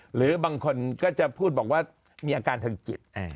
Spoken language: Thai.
หรือบางคนก็จะพูดบอกว่ามีอาการทางจิต